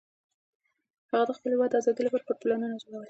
هغه د خپل هېواد د ازادۍ لپاره پټ پلانونه جوړول.